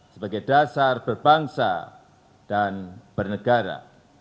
sebagai dasar berbangsa dan bernegara